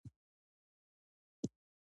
د پسرلي په موسم کې ټوپ وهل خوند لري.